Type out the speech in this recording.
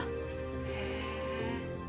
へえ。